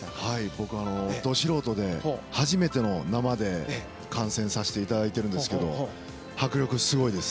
僕はど素人で初めて生で観戦させていただいてるんですが迫力、すごいです。